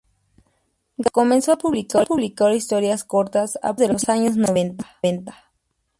Gaines comenzó a publicar historias cortas a principios de los años noventa.